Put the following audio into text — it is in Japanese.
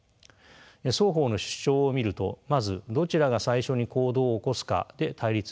双方の主張を見るとまずどちらが最初に行動を起こすかで対立しています。